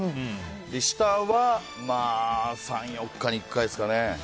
下は３４日に１回ですかね。